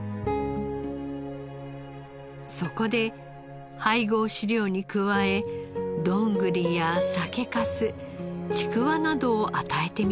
そこで配合飼料に加えどんぐりや酒かすちくわなどを与えてみました。